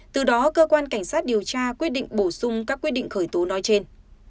từ đó cơ quan cảnh sát điều tra quyết định bổ sung các quyết định khởi tố nói trên